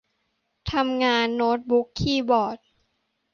- ทำงาน : โน๊ตบุ๊ก คีย์บอร์ด